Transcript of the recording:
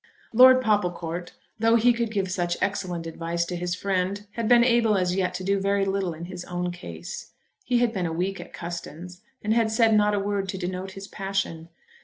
Lord Popplecourt, though he could give such excellent advice to his friend, had been able as yet to do very little in his own case. He had been a week at Custins, and had said not a word to denote his passion.